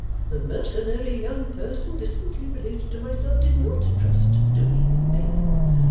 The mercenary young person distantly related to myself, did not trust to me in vain!